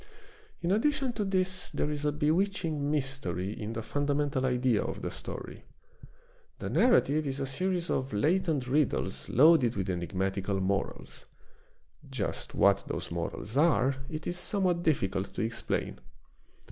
In addition to this there is a bewitching mystery in the fundamental idea of the story. The narrative is a V VI Introduction. series of latent riddles loaded with enigmatical morals. Just what those morals are it is somewhat difficult to explain.